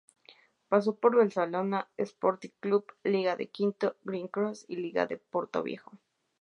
Pasó por Barcelona Sporting Club, Liga de Quito, Green Cross y Liga de Portoviejo.